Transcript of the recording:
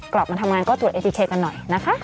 กลับมาทำงานก็ตรวจเอทีเคกันหน่อยนะคะ